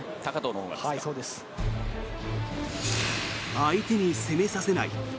相手に攻めさせない。